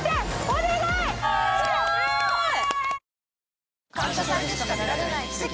お願い！